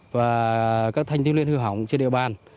và các thanh thiên liên hưu hỏng trên địa bàn